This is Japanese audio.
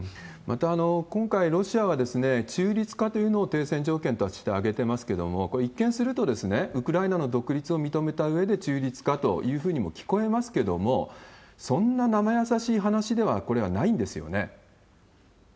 また、今回、ロシアは中立化というのを停戦条件として挙げてますけれども、これ、一見すると、ウクライナの独立を認めたうえで中立化というふうにも聞こえますけれども、そんななまやさしい話では、これはないんですよね。